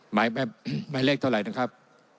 หมายเลขเท่าไหร่นะครับ